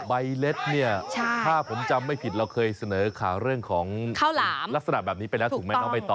ใบเร็ดเนี่ยถ้าผมจำไม่ผิดเราเคยเสนอค่ะเรื่องของลักษณะแบบนี้ไปแล้วถูกไหมเอาไปต่อ